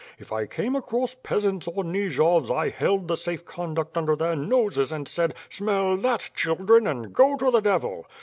If I came across peasants or Nijovs I held the safe conduct under their noses and said, 'Smell that, children, and go to the devil.'